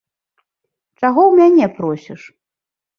Чаго ў мяне просіш.